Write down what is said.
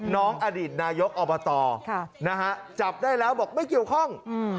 น้องอดีตนายกอบตจับได้แล้วบอกไม่เกี่ยวข้อง